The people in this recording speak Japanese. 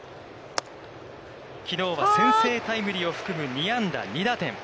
きのうは先制タイムリーを含める２安打２打点。